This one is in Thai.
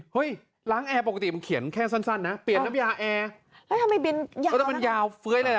เฮ้ยล้างแอร์ปกติเขียนชั้นนะเปลี่ยนน้ำยาแอร์